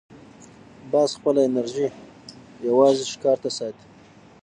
باز خپله انرژي یوازې ښکار ته ساتي